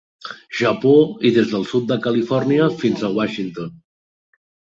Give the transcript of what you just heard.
Japó i des del sud de Califòrnia fins a Washington.